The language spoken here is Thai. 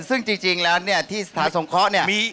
ซึ่งจริงแล้วเนี่ยที่สถานสงเคราะห์เนี่ย